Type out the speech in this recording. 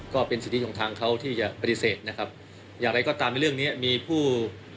ก็เป็นสิทธิของทางเขาที่จะปฏิเสธนะครับอย่างไรก็ตามในเรื่องเนี้ยมีผู้